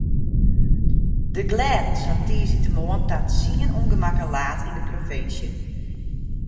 De glêdens hat tiissdeitemoarn ta tsien ûngemakken laat yn de provinsje.